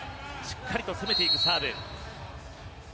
しっかりと攻めていくサーブ。